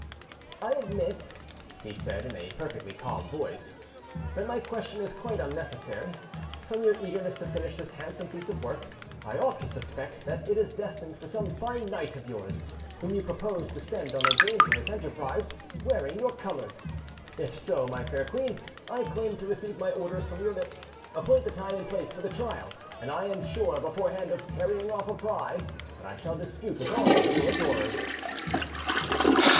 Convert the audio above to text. "I admit," he said, in a perfectly calm voice, "that my question is quite unnecessary: from your eagerness to finish this handsome piece of work, I ought to suspect that it is destined for some fine knight of yours whom you propose to send on a dangerous enterprise wearing your colours. If so, my fair queen, I claim to receive my orders from your lips: appoint the time and place for the trial, and I am sure beforehand of carrying off a prize that I shall dispute with all your adorers."